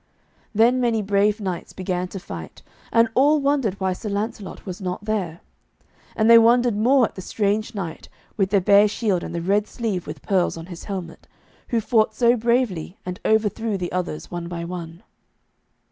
Then many brave knights began to fight, and all wondered why Sir Lancelot was not there. And they wondered more at the strange knight, with the bare shield and the red sleeve with pearls on his helmet, who fought so bravely and overthrew the others one by one.